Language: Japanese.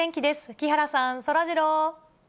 木原さん、そらジロー。